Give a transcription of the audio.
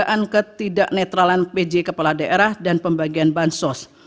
dugaan ketidak netralan pj kepala daerah dan pembagian bansos